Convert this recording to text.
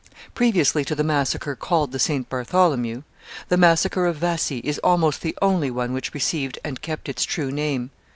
Previously to the massacre called the St. Bartholomew, the massacre of Vassy is almost the only one which received and kept its true name.